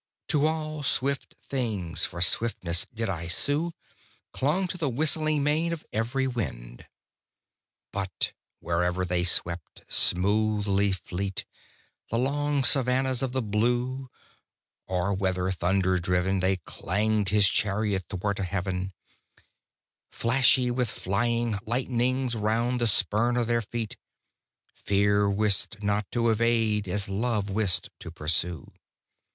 To all swift things for swiftness did I sue; Clung to the whistling mane of every wind. But whether they swept, smoothly fleet, The long savannahs of the blue; Or whether, Thunder driven, They clanged His chariot 'thwart a heaven Plashy with flying lightnings round the spurn o' their feet: Fear wist not to evade as Love wist to pursue.